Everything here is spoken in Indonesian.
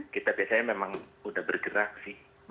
kita biasanya memang udah bergerak sih